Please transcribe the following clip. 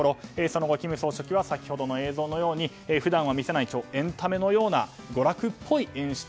その後、金総書記は先ほどの映像のように普段は見せないエンタメのような娯楽っぽい演出